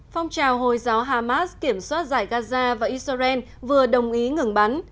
phong trào hồi giáo hàm ác kiểm soát giải gaza và israel vừa đồng ý ngừng bắn